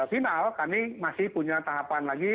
final kami masih punya tahapan lagi